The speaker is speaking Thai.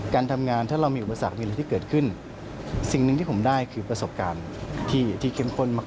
การทำงานถ้าเรามีอุปสรรคมีอะไรที่เกิดขึ้นสิ่งหนึ่งที่ผมได้คือประสบการณ์ที่เข้มข้นมาก